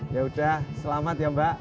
yaudah selamat ya mbak